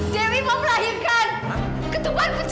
dewi mau melahirkan ketuban pecah